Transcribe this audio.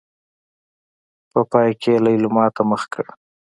په پای کې يې ليلما ته مخ کړ.